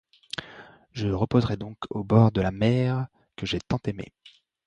Je reposerai donc au bord de la mer que j'ai tant aimée.